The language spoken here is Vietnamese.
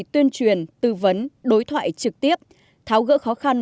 tuyên truyền tư vấn đối thoại trực tiếp tháo gỡ khó khăn